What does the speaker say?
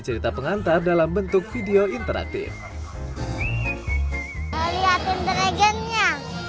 cerita pengantar dalam bentuk video interaktif lihat dragonnya